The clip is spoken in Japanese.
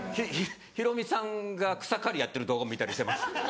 ヒロミさんが草刈りやってる動画も見たりしてます。